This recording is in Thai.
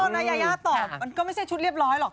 นายยายาตอบมันก็ไม่ใช่ชุดเรียบร้อยหรอก